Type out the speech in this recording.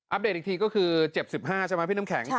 เดตอีกทีก็คือเจ็บ๑๕ใช่ไหมพี่น้ำแข็ง